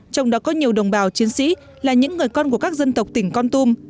trong đó có nhiều đồng bào chiến sĩ là những người con của các dân tộc tỉnh con tum